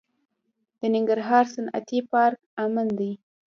د ننګرهار صنعتي پارک امن دی؟